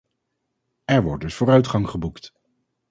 Er wordt dus vooruitgang geboekt.